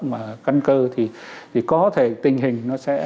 mà căn cơ thì có thể tình hình